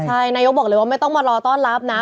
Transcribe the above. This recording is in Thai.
ใช่นายกบอกเลยว่าไม่ต้องมารอต้อนรับนะ